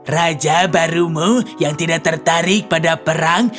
raja barumu yang tidak tertarik pada perang